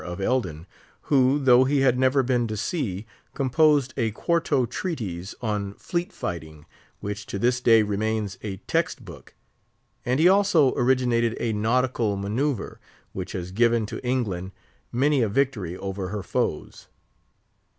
of Eldin—who, though he had never been to sea, composed a quarto treatise on fleet fighting, which to this day remains a text book; and he also originated a nautical manoeuvre, which has given to England many a victory over her foes.